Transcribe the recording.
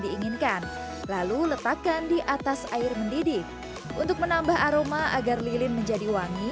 diinginkan lalu letakkan di atas air mendidih untuk menambah aroma agar lilin menjadi wangi